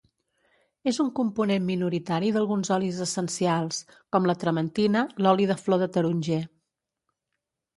És un component minoritari d'alguns olis essencials, com la trementina, l'oli de flor de taronger.